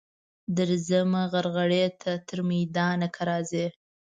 درځمه غرغړې ته تر میدانه که راځې.